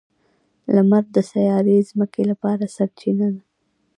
• لمر د سیارې ځمکې لپاره سرچینه ده.